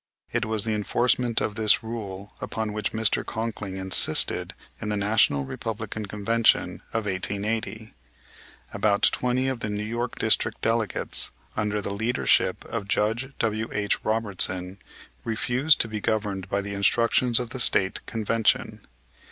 It was the enforcement of this rule upon which Mr. Conkling insisted in the National Republican Convention of 1880. About twenty of the New York district delegates, under the leadership of Judge W.H. Robertson, refused to be governed by the instructions of the State Convention.